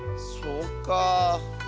そうか。